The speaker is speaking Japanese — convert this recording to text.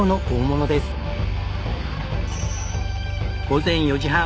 午前４時半。